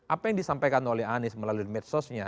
apa yang disampaikan oleh anies melalui medsosnya